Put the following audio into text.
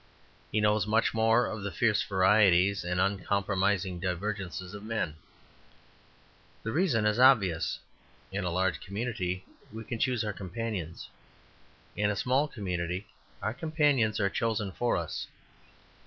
He knows much more of the fierce varieties and uncompromising divergences of men. The reason is obvious. In a large community we can choose our companions. In a small community our companions are chosen for us.